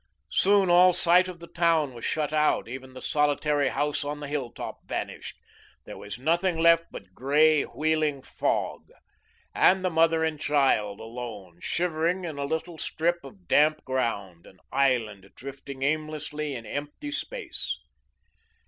Soon all sight of the town was shut out; even the solitary house on the hilltop vanished. There was nothing left but grey, wheeling fog, and the mother and child, alone, shivering in a little strip of damp ground, an island drifting aimlessly in empty space.